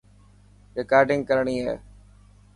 رڪارڊنگ ڪرڻي هي.